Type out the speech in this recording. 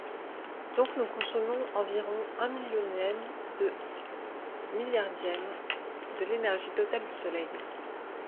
Donc, nous consommons environ un millionième de milliardième de l'énergie totale du Soleil.